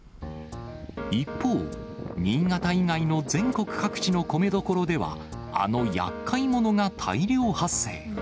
一方、新潟以外の全国各地の米どころでは、あのやっかい者が大量発生。